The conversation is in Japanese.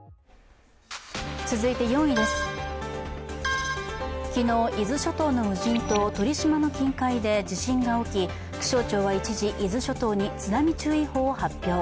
続いて４位です、昨日伊豆諸島の無人島鳥島の近海で地震が起き、気象庁は一時、伊豆諸島に津波注意報を発表。